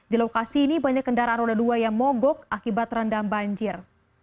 di lokasi ini banyak kendaraan roda dua yang mogok akibat rendam banjir